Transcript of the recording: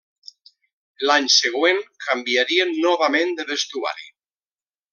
L’any següent canviarien novament de vestuari.